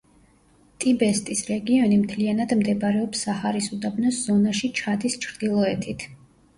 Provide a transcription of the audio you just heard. ტიბესტის რეგიონი მთლიანად მდებარეობს საჰარის უდაბნოს ზონაში ჩადის ჩრდილოეთით.